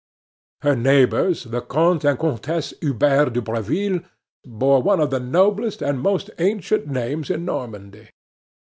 Her neighbors, the Comte and Comtesse Hubert de Breville, bore one of the noblest and most ancient names in Normandy.